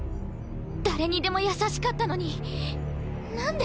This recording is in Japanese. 誰にでも優しかったのに何で。